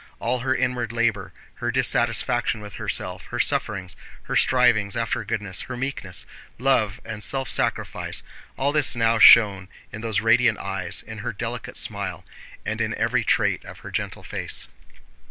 All her inward labor, her dissatisfaction with herself, her sufferings, her strivings after goodness, her meekness, love, and self sacrifice—all this now shone in those radiant eyes, in her delicate smile, and in every trait of her gentle face.